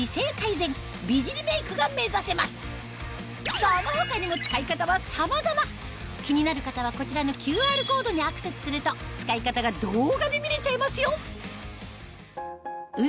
その他にも使い方はさまざま気になる方はこちらのＱＲコードにアクセスすると使い方が動画で見れちゃいますよ